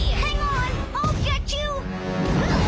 うっ！